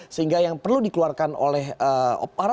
sehingga yang perlu dikeluarkan oleh para dokter